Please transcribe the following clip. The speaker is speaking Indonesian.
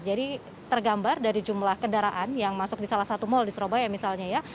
jadi tergambar dari jumlah kendaraan yang masuk di salah satu mal di surabaya misalnya ya